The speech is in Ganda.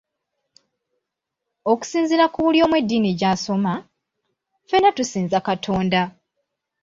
"Okusinziira ku buli omu eddiini gy’asoma, ffena tusinza Katonda."